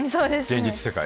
現実世界。